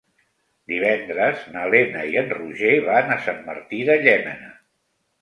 Divendres na Lena i en Roger van a Sant Martí de Llémena.